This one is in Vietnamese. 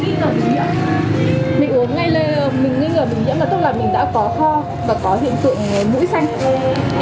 mình uống ngay lê mình nghĩ là bình yễm là tốt là mình đã có ho và có hiện tượng mũi xanh